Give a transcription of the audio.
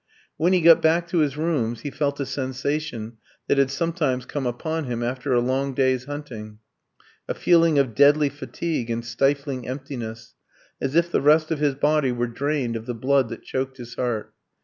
When he got back to his rooms, he felt a sensation that had sometimes come upon him after a long day's hunting, a feeling of deadly fatigue and stifling emptiness, as if the rest of his body were drained of the blood that choked his heart.